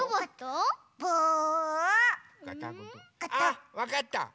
あっわかった！